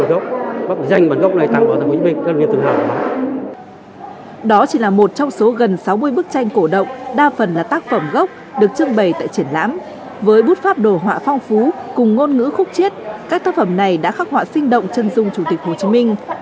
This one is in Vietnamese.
nội dung trưng bày là một bức tranh cổ động đa phần là tác phẩm gốc được trưng bày tại triển lãm